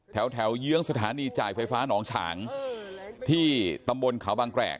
แถวเยื้องสถานีจ่ายไฟฟ้าหนองฉางที่ตำบลเขาบางแกรก